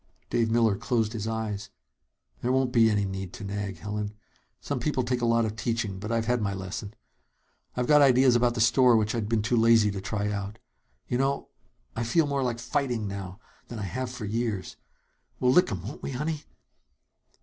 Dave Miller closed his eyes. "There won't be any need to nag, Helen. Some people take a lot of teaching, but I've had my lesson. I've got ideas about the store which I'd been too lazy to try out. You know, I feel more like fighting right now than I have for years! We'll lick 'em, won't we, honey?"